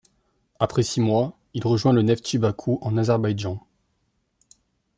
Après six mois, il rejoint le Neftchi Bakou en Azerbaïdjan.